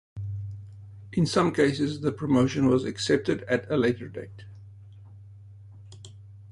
In some cases, the promotion was accepted at a later date.